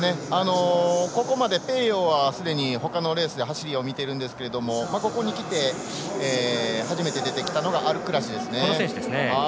ここまでペーヨーはすでにほかのレースで走りを見ているんですがここにきて、初めて出てきたのがアルクラシですね。